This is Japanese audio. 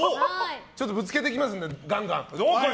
ちょっとぶつけていきますんでガンガン。